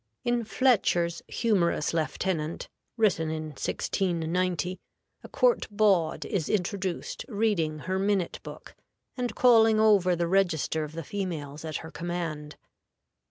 In Fletcher's "Humorous Lieutenant," written in 1690, a court bawd is introduced reading her minute book, and calling over the register of the females at her command.